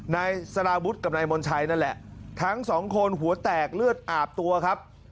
นายสารวุฒิกับนายมนชัยนั่นแหละทั้งสองคนหัวแตกเลือดอาบตัวครับ